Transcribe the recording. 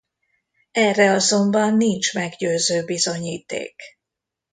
Erre azonban nincs meggyőző bizonyíték.